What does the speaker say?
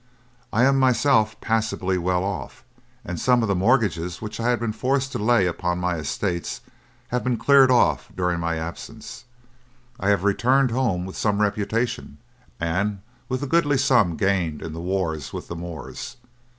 I am myself passably well off, and some of the mortgages which I had been forced to lay upon my estates have been cleared off during my absence. I have returned home with some reputation, and with a goodly sum gained in the wars with the Moors.